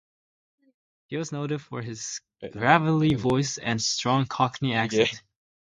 He was noted for his gravelly voice and strong Cockney accent.